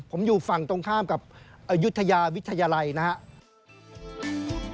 ผมอยู่ฝั่งตรงข้ามกับอายุทยาวิทยาลัยนะครับ